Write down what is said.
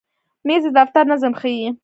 مېز د دفتر نظم ښیي.